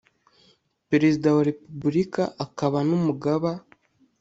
perezida wa repubulika akaba n umugaba